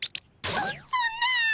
そそんな！